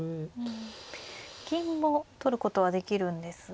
うん銀も取ることはできるんですが。